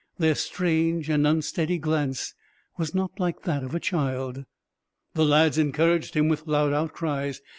Their strange and unsteady glance was not like that of a child. The lads encouraged him with loud outcries.